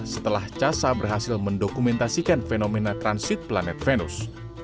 setelah casa berhasil mendokumentasikan fenomena transit planet venus